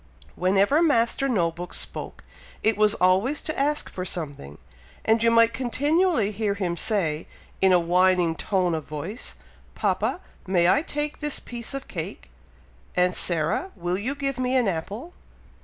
Whenever Master No book spoke, it was always to ask for something, and you might continually hear him say, in a whining tone of voice, "Papa! may I take this piece of cake? Aunt Sarah! will you give me an apple?